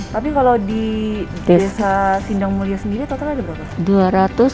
tapi kalau di desa sindang mulia sendiri total ada berapa